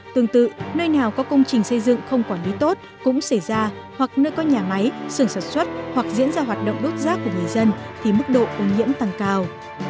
tương tự nơi nào có công trình xây dựng không quản lý tốt cũng xảy ra hoặc nơi có nhà máy sườn sản xuất hoặc diễn ra hoạt động đốt rác của người dân thì mức độ ô nhiễm tăng cao